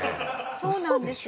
そうなんですよ。